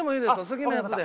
好きなやつで。